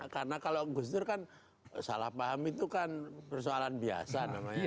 karena kalau gus dur kan salah paham itu kan persoalan biasa namanya